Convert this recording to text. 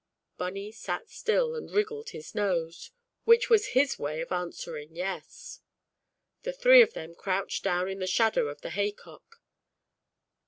Bunny sat still and wriggled his nose, which was his way of answering "Yes. " The three of them crouched down in the shadow of the haycock.